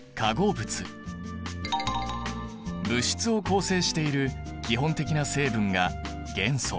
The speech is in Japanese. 物質を構成している基本的な成分が元素。